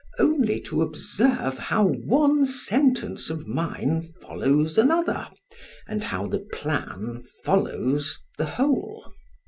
only to observe how one sentence of mine follows another, and how the plan follows the whole.